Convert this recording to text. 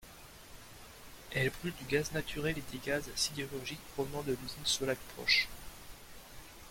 Elle brûle du gaz naturel et des gaz sidérurgiques provenant de l'usine Sollac proche.